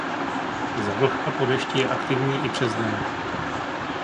Za vlhka po dešti je aktivní i přes den.